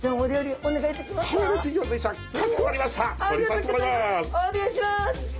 お願いします。